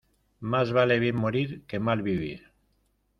Más vale bien morir que mal vivir.